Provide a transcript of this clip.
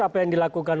apa yang dilakukan